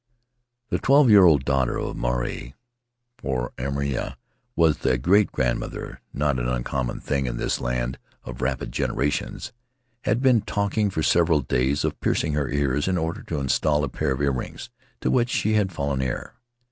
The twelve year old daughter of Maruae — for Airima was a great grandmother, not an uncommon thing in this land of rapid generations — had been talking for several days of piercing her ears in order to install a pair of earrings to which she had fallen heir.